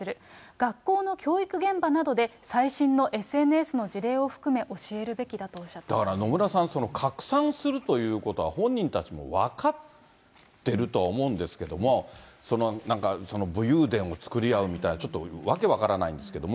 学校の教育現場などで最新のＳＮＳの事例を含めて教えるべきだとだから野村さん、拡散するということは、本人たちも分かってるとは思うんですけども、なんか、武勇伝を作り合うみたいな、ちょっと訳分からないんですけども。